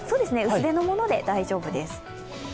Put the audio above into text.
薄手のもので大丈夫です。